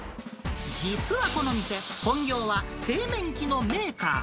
実はこの店、本業は製麺機のメーカー。